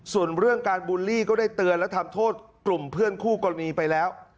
ส่วนเรื่องการบูลลี่ก็ได้เตือนและทำโทษกลุ่มเพื่อนคู่กรณีไปแล้ว